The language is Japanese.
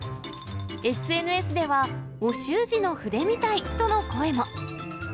ＳＮＳでは、お習字の筆みたいとの声も。